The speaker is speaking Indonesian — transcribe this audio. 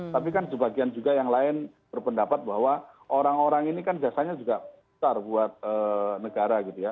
tapi kan sebagian juga yang lain berpendapat bahwa orang orang ini kan jasanya juga besar buat negara gitu ya